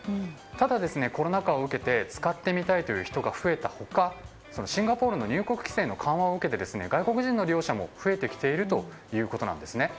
ただ、コロナ禍を受けて使ってみたいという人が増えた他シンガポールの入国規制の緩和を受けて外国人の利用者も増えてきているということです。